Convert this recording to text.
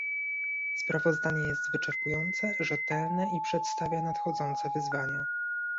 Sprawozdanie jest wyczerpujące, rzetelne i przedstawia nadchodzące wyzwania